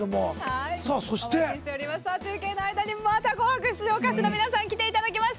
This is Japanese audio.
中継の間にまた「紅白」出場歌手の皆さん来ていただきました。